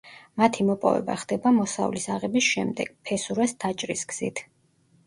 მათი მოპოვება ხდება მოსავლის აღების შემდეგ, ფესურას დაჭრის გზით.